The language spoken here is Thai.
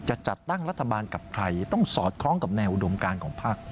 จะจัดตั้งรัฐบาลกับใครต้องสอดคล้องกับแนวอุดมการของภักดิ์